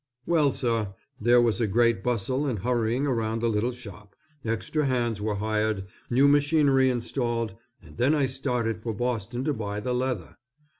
Well sir, there was a great bustle and hurrying around the little shop, extra hands were hired, new machinery installed, and then I started for Boston to buy the leather.